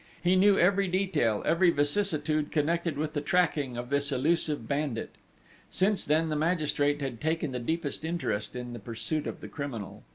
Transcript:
He knew every detail, every vicissitude connected with the tracking of this elusive bandit. Since then the magistrate had taken the deepest interest in the pursuit of the criminal.